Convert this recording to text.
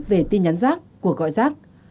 về tin nhắn giác của gọi giác